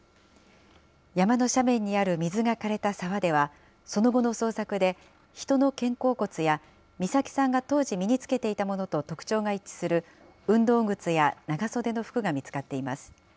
山の斜面にある水がかれた沢では、その後の捜索で、人の肩甲骨や美咲さんが当時、身につけていたものと特徴が一致する運動靴や長袖の服が見つかっています。